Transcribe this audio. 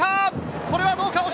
これはどうか？